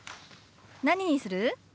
何にする？